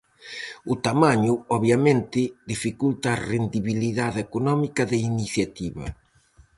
O tamaño, obviamente, dificulta a rendibilidade económica da iniciativa.